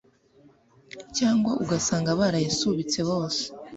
cyangwa ugasanga barayasubitse bose